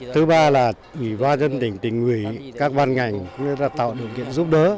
thứ ba là ủy ba dân tỉnh tỉnh ủy các ban ngành tạo được kiện giúp đỡ